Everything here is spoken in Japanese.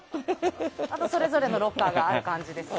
あと、それぞれのロッカーがある感じです。